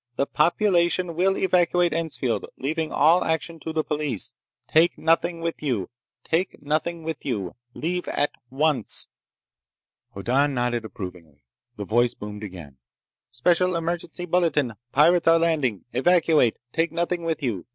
The population will evacuate Ensfield, leaving all action to the police. Take nothing with you. Take nothing with you. Leave at once." Hoddan nodded approvingly. The voice boomed again: "Special Emergency Bulletin! Pirates are landing ... evacuate ... take nothing with you....